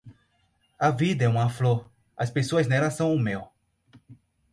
A vida é uma flor, as pessoas nela são o mel.